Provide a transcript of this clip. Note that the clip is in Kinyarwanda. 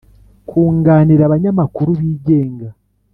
kunganira abanyamakuru bigenga